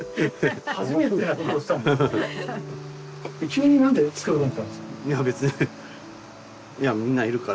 急に何で作ろうと思ったんですか？